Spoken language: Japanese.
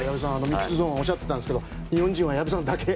ミックスゾーンでおっしゃっていたんですが日本人は矢部さんだけ。